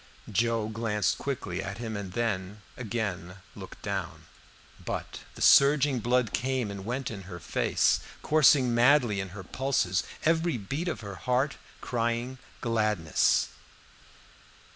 Joe glanced quickly at him and then again looked down; but the surging blood came and went in her face, coursing madly in her pulses, every beat of her heart crying gladness.